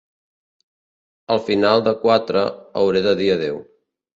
Al final de quatre, hauré de dir adeu.